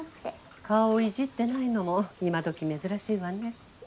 顔いじってないのも今どき珍しいわね。